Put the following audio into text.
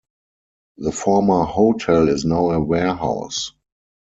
The former hotel is now a warehouse.